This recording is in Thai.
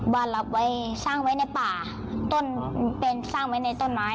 บ้านรับไว้สร้างไว้ในป่าสร้างไว้ในต้นไม้